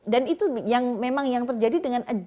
dan itu memang yang terjadi dengan adjustment